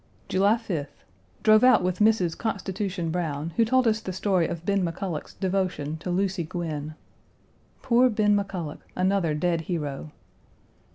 July 5th. Drove out with Mrs. "Constitution" Browne, who told us the story of Ben McCulloch's devotion to Lucy Gwynn. Poor Ben McCulloch another dead hero.